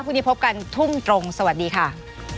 พรุ่งนี้พบกันทุ่มตรงสวัสดีค่ะ